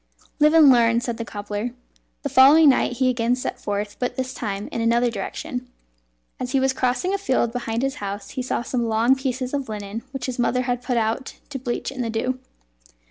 "Live and learn," said the cobbler. The following night he again set forth, but this time in another direction. As he was crossing a field behind his house he saw some long pieces of linen which his mother had put out to bleach in the dew.